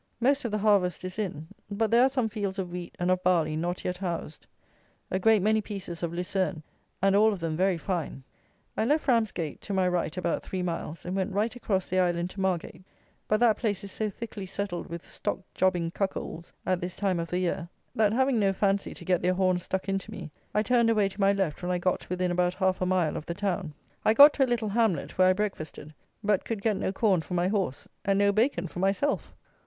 Most of the harvest is in; but there are some fields of wheat and of barley not yet housed. A great many pieces of lucerne, and all of them very fine. I left Ramsgate to my right about three miles, and went right across the island to Margate; but that place is so thickly settled with stock jobbing cuckolds, at this time of the year, that, having no fancy to get their horns stuck into me, I turned away to my left when I got within about half a mile of the town. I got to a little hamlet, where I breakfasted; but could get no corn for my horse, and no bacon for myself!